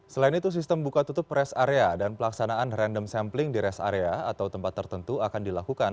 selain itu sistem buka tutup rest area dan pelaksanaan random sampling di rest area atau tempat tertentu akan dilakukan